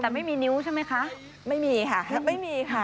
แต่ไม่มีนิ้วใช่ไหมคะ